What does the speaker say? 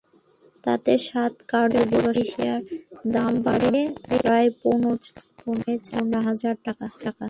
তাতে সাত কার্যদিবসে প্রতিটি শেয়ারের দাম বাড়ে প্রায় পৌনে চার টাকা।